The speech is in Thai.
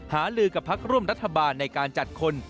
หาลือกับพักร่วมรัฐบาลในการจัดคน